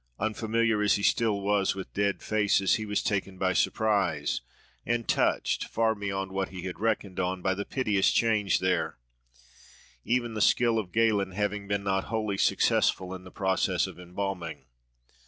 Unfamiliar as he still was with dead faces, he was taken by surprise, and touched far beyond what he had reckoned on, by the piteous change there; even the skill of Galen having been not wholly successful in the process of embalming.